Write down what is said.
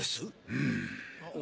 うん。